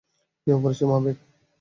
কী অপরিসীম আবেগ!